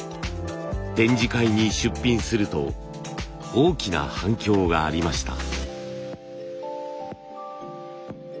展示会に出品すると大きな反響がありました。